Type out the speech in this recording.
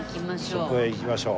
そこへ行きましょう。